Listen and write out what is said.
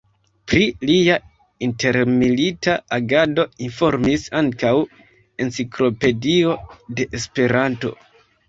Pri lia intermilita agado informis ankaŭ Enciklopedio de Esperanto.